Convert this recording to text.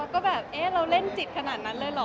ก็แบบเอ๊ะเราเล่นจิตขนาดนั้นเลยเหรอ